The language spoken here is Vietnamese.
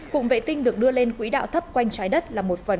cụm vệ tinh được đưa lên quỹ đạo thấp quanh trái đất là một phần